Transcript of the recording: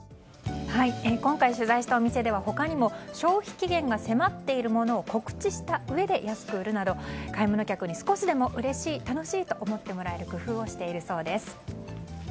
今回、取材したお店では他にも消費期限が迫っているものを告知したうえで安く売るなど買い物客に少しでもうれしい、楽しいと思ってもらえる工夫をしているそうです。